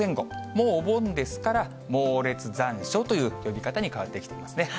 もうお盆ですから、猛烈残暑という呼び方に変わってきていますね。